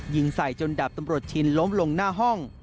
ยิงใส่จนดาบตำรวจชินล้มลงหน้าห้อง